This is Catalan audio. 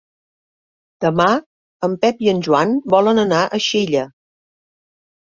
Demà en Pep i en Joan volen anar a Xella.